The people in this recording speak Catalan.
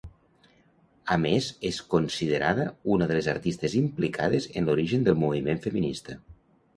A més és considerada una de les artistes implicades en l'origen del moviment feminista.